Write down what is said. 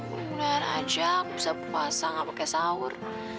kemudian aja aku bisa puasa gak pakai sahur